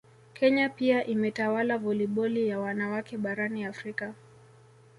Kenya pia imetawala voliboli ya wanawake barani Afrika